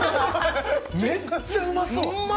めっちゃうまそう！